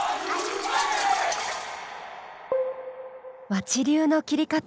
和知流の切り方。